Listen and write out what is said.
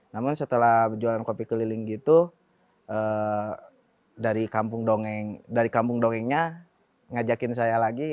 namun setelah berjualan kopi keliling gitu dari kampung dongeng dari kampung dongengnya ngajakin saya lagi